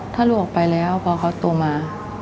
ถ้าลูกออกไปแล้วพอเขาโตมา